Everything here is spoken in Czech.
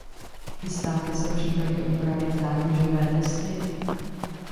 Chystáte se případně upravit zátěžové testy?